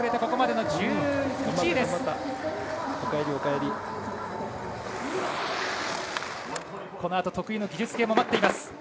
ここまでの１１位です。